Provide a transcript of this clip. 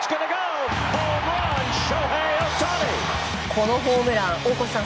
このホームラン大越さん